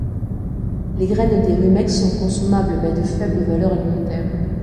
Les graines des rumex sont consommables mais de faible valeur alimentaire.